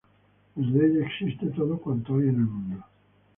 Desde ella existe todo cuanto hay en el mundo.